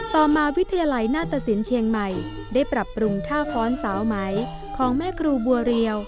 ต่อมาวิทยาลัยหน้าตสินเชียงใหม่ได้ปรับปรุงท่าค้อนสาวไหมของแม่ครูบัวเรียว